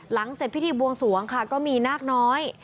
เสร็จพิธีบวงสวงค่ะก็มีนาคน้อย